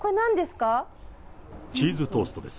チーズトーストです。